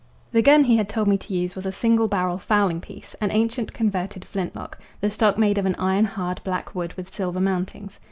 The gun he had told me to use was a single barrel fowling piece, an ancient converted flintlock, the stock made of an iron hard black wood with silver mountings.